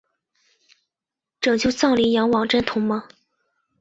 拯救藏羚羊网站同盟